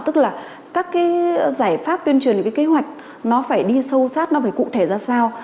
tức là các cái giải pháp tuyên truyền về cái kế hoạch nó phải đi sâu sát nó phải cụ thể ra sao